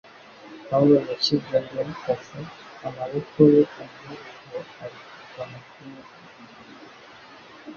Pawulo yashyizwe muri kasho, amaboko ye amaherezo arekurwa amapingu